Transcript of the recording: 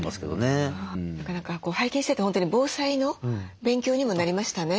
なかなか拝見してて本当に防災の勉強にもなりましたね。